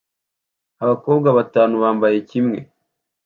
abakobwa batanu bambaye kimwe